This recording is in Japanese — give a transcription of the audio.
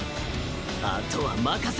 あとは任せろ！